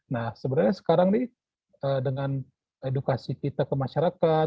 nah sebenarnya sekarang nih dengan edukasi kita ke masyarakat